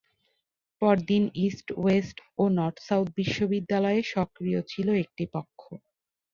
পরদিন East West ও North South বিশ্ববিদ্যালয়ে সক্রিয় ছিল একটি পক্ষ।